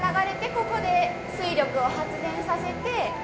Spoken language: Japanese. ここで水力を発電させております。